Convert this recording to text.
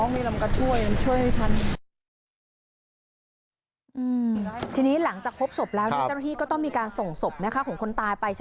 มีเรือตกปลาอยู่ตรงนี้ของลำ